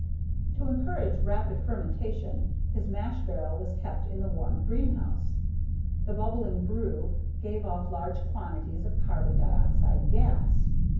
To encourage rapid fermentation, his mashing barrel was kept in the warm greenhouse. The bubbling brew gave off large quantities of carbon dioxide gas.